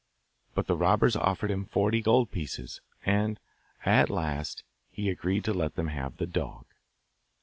But the robbers offered him forty gold pieces, and at last he agreed to let them have the dog.